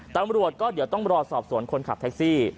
ตำรวจก็เดี๋ยวต้องรอสอบสวนคนขับแท็กซี่